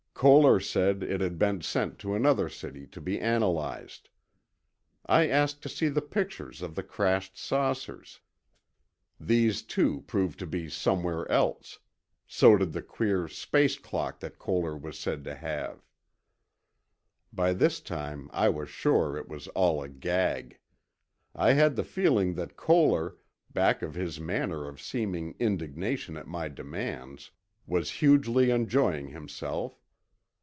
Koehler said it had been sent to another city to be analyzed. I asked to see pictures of the crashed saucers. These, too, proved to be somewhere else. So did the queer "space clock" that Koehler was said to have. By this time I was sure it was all a gag. I had the feeling that Koehler, back of his manner of seeming indignation at my demands, was hugely enjoying himself.